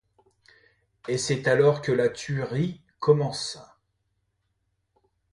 Et c'est alors que la tuerie commence...